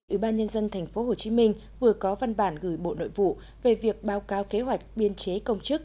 ủy ban nhân dân tp hcm vừa có văn bản gửi bộ nội vụ về việc báo cáo kế hoạch biên chế công chức